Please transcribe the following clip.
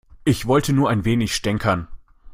Ich wollte nur ein wenig stänkern.